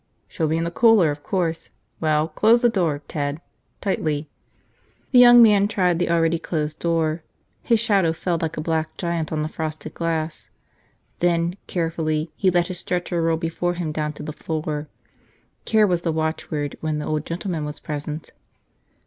"She'll be in the cooler, of course. Well. Close the door, Ted. Tightly." The young man tried the already closed door. His shadow fell like a black giant on the frosted glass. Then, carefully, he let his stretcher roll before him down to the floor. Care was the watchword when the old gentleman was present.